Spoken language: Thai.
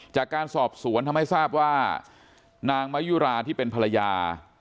จากการสอบสวนทำให้ทราบว่านางมายุราที่เป็นภรรยา